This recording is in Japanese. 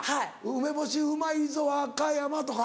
「梅干しうまいぞ和歌山」とか。